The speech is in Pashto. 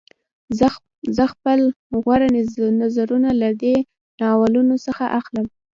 زه خپل غوره نظرونه له دې ناولونو څخه اخلم